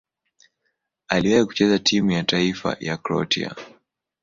Aliwahi kucheza timu ya taifa ya Kroatia.